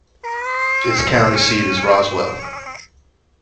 Its county seat is Roswell.